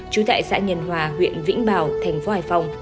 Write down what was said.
trú tại xã nhân hòa huyện vĩnh bảo thành phố hải phòng